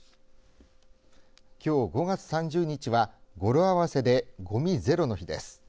きょう５月３０日は語呂合わせでごみゼロの日です。